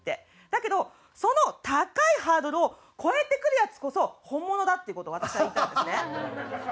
だけどその高いハードルを越えてくるヤツこそ本物だっていう事を私は言いたいんですね。